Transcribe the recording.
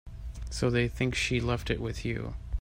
So they think she left it with you.